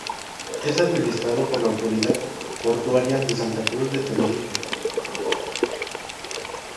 Es administrado por la Autoridad Portuaria de Santa Cruz de Tenerife.